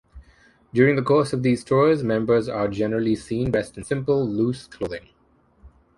During the course of these tours, members are generally seen dressed in simple, loose-clothing.